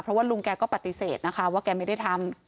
เพราะว่าลุงแกก็ปฏิเสธนะคะว่าแกไม่ได้ทำ